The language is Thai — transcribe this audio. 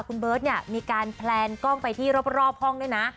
คุณเบิร์ตเนี่ยมีการแพลนกล้องไปที่รอบห้องด้วยนะ